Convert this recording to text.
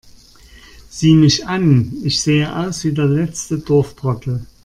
Sieh mich an, ich sehe aus wie der letzte Dorftrottel!